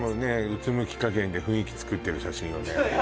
うつむき加減で雰囲気つくってる写真よね